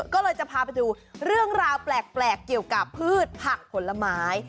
ก็เลยจะพาไปดูเรื่องราวแปลกเกี่ยวกับพืชผักผลไม้